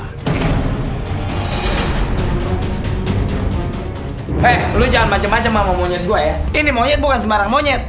eh lu jangan macem macem sama monyet gua ya ini monyet bukan sembarang monyet